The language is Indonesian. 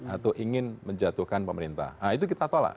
atau ingin menjatuhkan pemerintah nah itu kita tolak